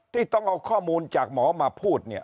ที่ต้องเอาข้อมูลจากหมอมาพูดเนี่ย